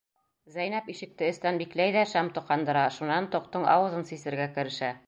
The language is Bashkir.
Зәйнәп ишекте эстән бикләй ҙә шәм тоҡандыра, шунан тоҡтоң ауыҙын сисергә керешә.